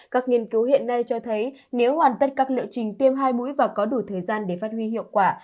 các nghiên cứu hiện nay cho thấy nếu hoàn tất các liệu trình tiêm hai mũi và có đủ thời gian để phát huy hiệu quả